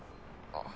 あっ。